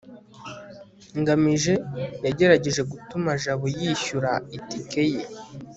ngamije yagerageje gutuma jabo yishyura itike ye